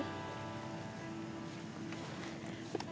tapi aku mau ngecek